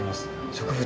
植物